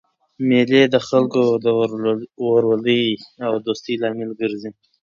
مېلې د خلکو ترمنځ د ورورولۍ او دوستۍ لامل ګرځي.